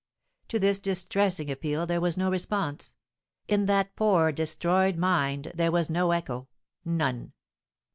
To this distressing appeal there was no response. In that poor, destroyed mind there was no echo, none.